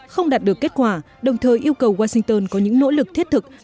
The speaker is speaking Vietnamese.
không đạt được kết quả đồng thời yêu cầu washington có những nỗ lực thiết thực